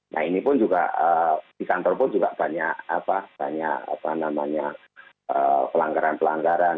nah ini pun juga di kantor pun juga banyak pelanggaran pelanggaran